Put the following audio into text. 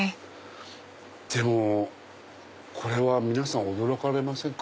でもこれは皆さん驚かれませんか？